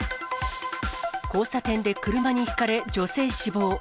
交差点で車にひかれ、女性死亡。